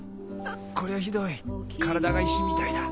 こりゃひどい体が石みたいだ。